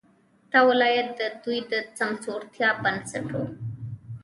دا ولایت د دوی د سمسورتیا بنسټ وو.